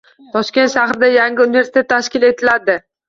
Toshkent shahrida yangi universitet tashkil etiladi